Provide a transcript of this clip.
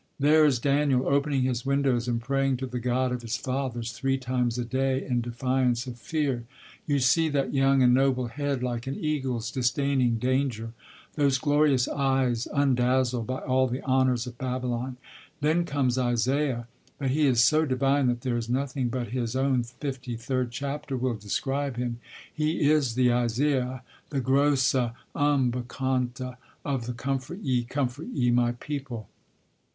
There is Daniel, opening his windows and praying to the God of his Fathers three times a day in defiance of fear. You see that young and noble head like an eagle's, disdaining danger, those glorious eyes undazzled by all the honours of Babylon. Then comes Isaiah, but he is so divine that there is nothing but his own 53rd chapter will describe him. He is the Isaiah, the "grosse Unbekannte" of the Comfort ye, Comfort ye my people.